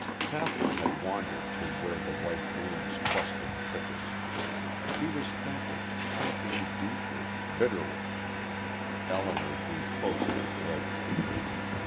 Kathryn had wandered to where the white blooms clustered thickest. She was thinking thinking deeply, bitterly. Elinor drew closer to Blake.